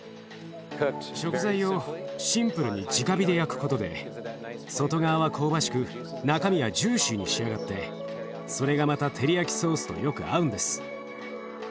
食材をシンプルに直火で焼くことで外側は香ばしく中身はジューシーに仕上がってそれがまたテリヤキソースとよく合うんです。